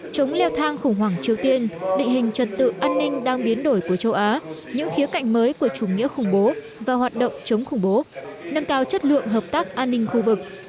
chống leo thang khủng hoảng triều tiên định hình trật tự an ninh đang biến đổi của châu á những khía cạnh mới của chủ nghĩa khủng bố và hoạt động chống khủng bố nâng cao chất lượng hợp tác an ninh khu vực